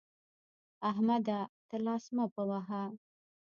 احمده! ته لاس مه په وهه.